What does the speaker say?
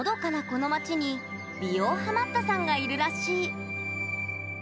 この街に美容ハマったさんがいるらしい。